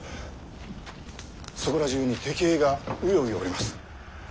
そこら中に敵兵がうようよおります。